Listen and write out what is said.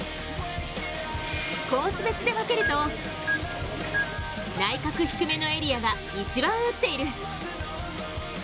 コース別で分けると内角低めのエリアが一番打っている。